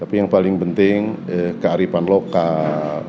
tapi yang paling penting kearifan lokal